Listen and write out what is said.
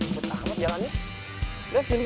betah banget jalan ini